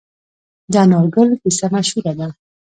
د انار ګل کیسه مشهوره ده.